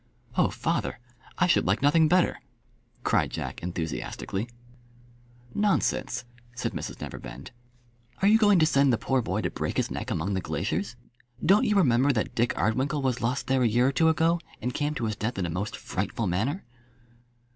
"Oh, father, I should like nothing better," cried Jack, enthusiastically. "Nonsense," said Mrs Neverbend; "are you going to send the poor boy to break his neck among the glaciers? Don't you remember that Dick Ardwinkle was lost there a year or two ago, and came to his death in a most frightful manner?"